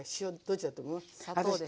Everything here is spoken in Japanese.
どっちだと思う。